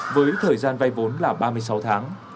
với thời gian vay vốn là ba mươi sáu tháng